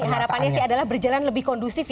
harapannya sih adalah berjalan lebih kondusif